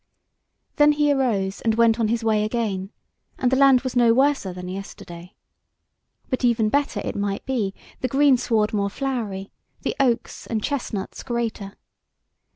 Then he arose and went on his way again; and the land was no worser than yesterday; but even better, it might be; the greensward more flowery, the oaks and chestnuts greater.